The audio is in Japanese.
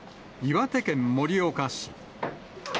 岩手県盛岡市。